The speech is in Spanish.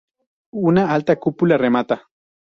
Una alta cúpula remata.